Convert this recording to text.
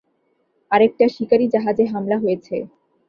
আরেকটা শিকারী জাহাজে হামলা হয়েছে!